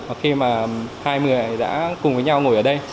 và khi mà hai người đã cùng với nhau ngồi ở đây